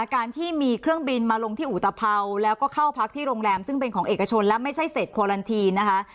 การที่มีเครื่องบินมาลงที่อุตภัวร์แล้วก็เข้าพักที่โรงแรมซึ่งเป็นของเอกชนและไม่ใช่เศษโคลันทีนนะคะ